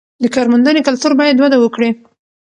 د کارموندنې کلتور باید وده وکړي.